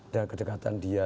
dan kedekatan dia